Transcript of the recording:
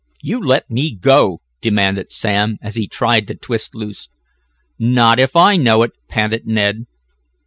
"You let me go!" demanded Sam, as he tried to twist loose. "Not if I know it!" panted Ned.